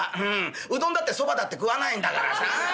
うどんだって蕎麦だって食わないんだからさ。